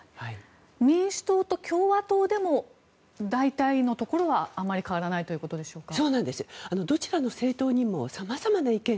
民主党と共和党でも大体のところはあまり変わらないということでしょうか？